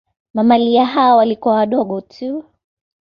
Mamalia hao walikuwa wadogo tu.